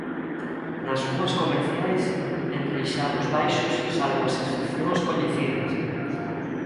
Nas rúas comerciais, enreixados baixos, salvo as excepcións coñecidas.